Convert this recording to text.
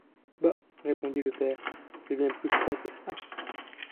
Bah! répondit le père, j’ai bien plus froid que cela.